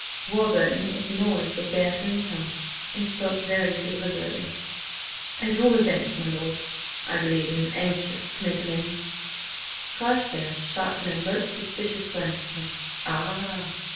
Warburton ignored the bantering tone and spoke very deliberately. "At all events, my lord, I believe him anxious to make–amends." Carstares shot an alert, suspicious glance at him. "Ah!"